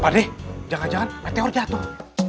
pak deh jangan jangan meteor jatuh